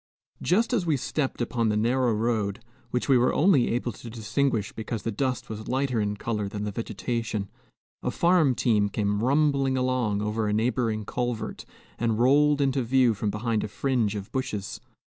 Just as we stepped upon the narrow road which we were only able to distinguish because the dust was lighter in color than the vegetation a farm team came rumbling along over a neighboring culvert, and rolled into view from behind a fringe of bushes.